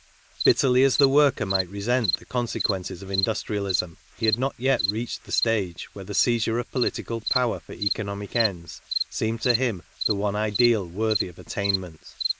Bitterly as the worker might resent the: consequences of industrialism, he had not yet reached the stage where the seizure of political power for) economic ends seemed to him the one ideal worthy ofl attainment.